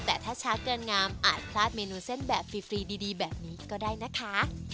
แต่ถ้าช้าเกินงามอาจพลาดเมนูเส้นแบบฟรีดีแบบนี้ก็ได้นะคะ